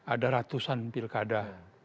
ada ratusan pilkada